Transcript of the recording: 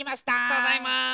ただいま。